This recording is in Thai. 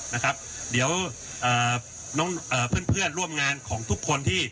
นะครับเดี๋ยวน้องเอ่อเพื่อนเพื่อนร่วมงานของทุกคนที่